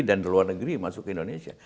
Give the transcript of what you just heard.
dan di luar negeri masuk ke indonesia